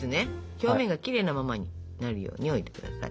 表面がきれいなままになるように置いてください。